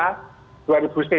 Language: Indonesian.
dua ribu cc gitu ya